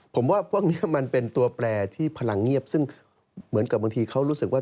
ผมว่าพวกนี้มันเป็นตัวแปลที่พลังเงียบซึ่งเหมือนกับบางทีเขารู้สึกว่า